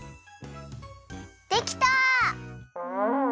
できた！